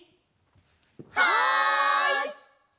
はい！